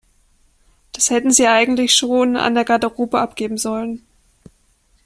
Das hätten Sie eigentlich schon an der Garderobe abgeben sollen.